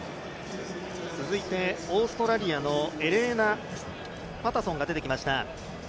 続いて、オーストラリアのパタソンが出てきました。